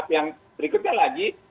yang berikutnya lagi